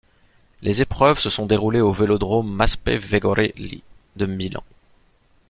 Les épreuves se sont déroulées au vélodrome Maspes-Vigorelli de Milan.